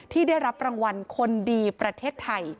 ที่ได้รับรางวัลคนดีประเทศไทย